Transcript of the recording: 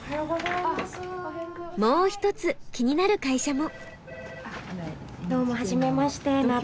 もう一つ気になる会社も。